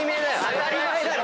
当たり前だろ！